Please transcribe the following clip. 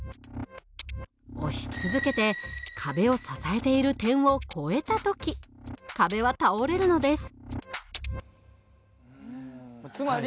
押し続けて壁を支えている点を越えた時壁は倒れるのです。